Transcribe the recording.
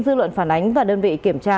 dư luận phản ánh và đơn vị kiểm tra